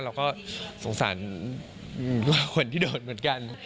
เราก็สงสารคนที่โดนเหมือนกัน